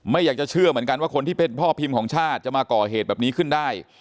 อยากจะเชื่อเหมือนกันว่าคนที่เป็นพ่อพิมพ์ของชาติจะมาก่อเหตุแบบนี้ขึ้นได้